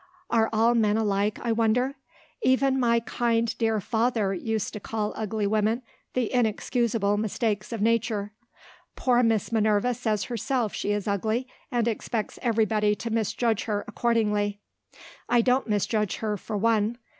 Are all men alike, I wonder? Even my kind dear father used to call ugly women the inexcusable mistakes of Nature. Poor Miss Minerva says herself she is ugly, and expects everybody to misjudge her accordingly. I don't misjudge her, for one.